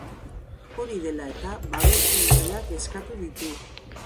Hori dela eta, babes neurriak eskatu ditu.